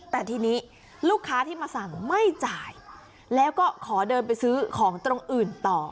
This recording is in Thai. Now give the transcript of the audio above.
แต่ทีนี้ลูกค้าที่มาสั่งไม่จ่ายแล้วก็ขอเดินไปซื้อของตรงอื่นต่อ